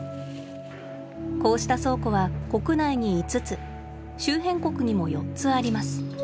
こうした倉庫は国内に５つ周辺国にも４つあります。